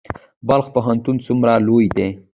بلخ پوهنتون څومره لوی دی؟